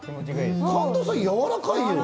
神田さん、やわらかいよ。